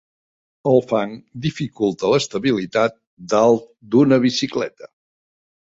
El fang dificulta l'estabilitat dalt d'una bicicleta.